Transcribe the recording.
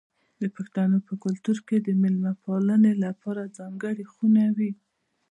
د پښتنو په کلتور کې د میلمه پالنې لپاره ځانګړې خونه وي.